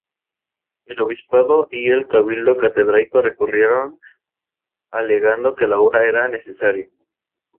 El Obispado y el Cabildo Catedralicio recurrieron alegando que la obra era necesaria.